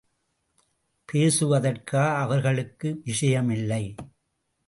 பேசுவதற்கா அவர்களுக்கு விஷயமில்லை?